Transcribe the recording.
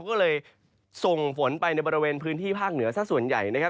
ก็เลยส่งฝนไปในบริเวณพื้นที่ภาคเหนือซะส่วนใหญ่นะครับ